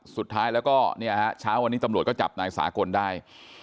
สุดท้ายแล้วก็เนี่ยฮะเช้าวันนี้ตำรวจก็จับนายสากลได้